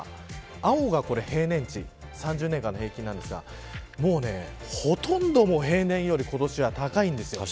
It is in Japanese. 青が平年値３０年間の平均なんですがほとんどもう平年より今年は高いんです。